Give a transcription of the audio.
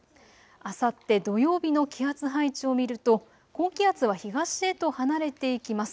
あさって土曜日の気圧配置を見ると高気圧は東へと離れていきます。